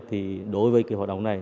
thì đối với cái hoạt động này